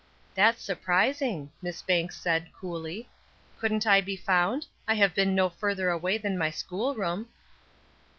"That's surprising," Miss Banks said, coolly. "Couldn't I be found? I have been no further away than my school room?"